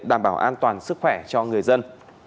đảm bảo an toàn sức khỏe cho người dân